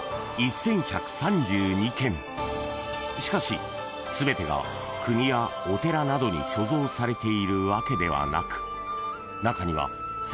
［しかし全てが国やお寺などに所蔵されているわけではなく中には先祖代々］